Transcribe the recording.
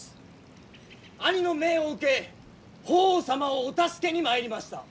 兄の命を受け法皇様をお助けに参りました。